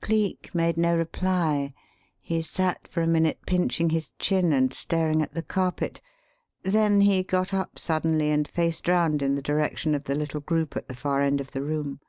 Cleek made no reply. He sat for a minute pinching his chin and staring at the carpet, then he got up suddenly and faced round in the direction of the little group at the far end of the room.